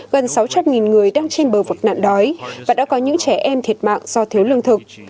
gần sáu trăm linh người đang trên bờ vực nạn đói và đã có những trẻ em thiệt mạng do thiếu lương thực